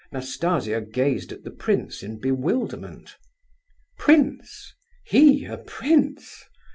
Nastasia gazed at the prince in bewilderment. "Prince? He a Prince?